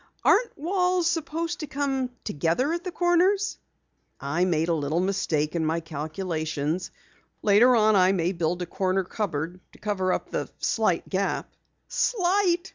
"Aren't walls supposed to come together at the corners?" "I made a little mistake in my calculations. Later on I may build a corner cupboard to cover up the slight gap." "Slight!"